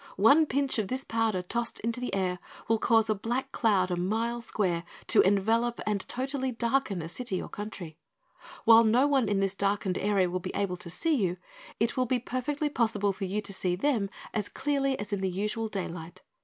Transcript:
One pinch of this powder tossed into the air will cause a black cloud a mile square to envelop and totally darken a city or country. While no one in this darkened area will be able to see you, it will be perfectly possible for you to see them as clearly as in the usual daylight.